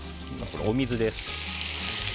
お水です。